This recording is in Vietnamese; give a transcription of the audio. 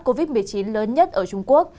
covid một mươi chín lớn nhất ở trung quốc